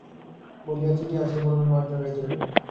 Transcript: বলিয়া ছুটিয়া আসিয়া রাজার পা জড়াইয়া ধরিলেন।